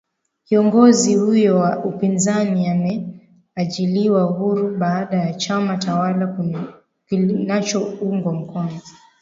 kiongozi huyo wa upinzani ameajiliwa huru baada ya chama tawala kinachoungwa mkono